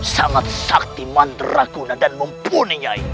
sangat saktiman raguna dan mumpuni nyai